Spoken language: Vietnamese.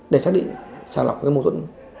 để xác định sàng lọc mâu thuẫn